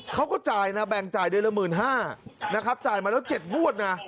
เขาก็จ่ายนะแบ่งจ่ายเดือนละ๑๕๐๐นะครับจ่ายมาแล้ว๗งวดนะ